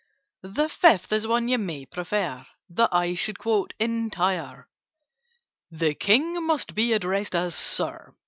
"The Fifth is one you may prefer That I should quote entire:— The King must be addressed as 'Sir.